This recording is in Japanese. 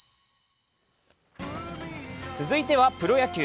続いてはプロ野球。